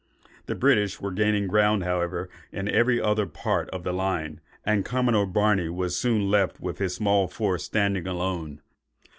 The British were gaining ground, however, in every other part of the line; and Commodore Barney was soon left with his small force standing alone.